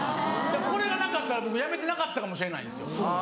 これがなかったらやめてなかったかもしれないんですよ。